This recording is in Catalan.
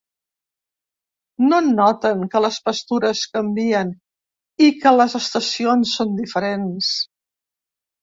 No noten que les pastures canvien i que les estacions són diferents.